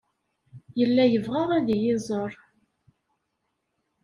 Yella yebɣa ad iyi-iẓer.